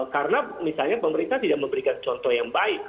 karena misalnya pemerintah tidak memberikan contoh yang baik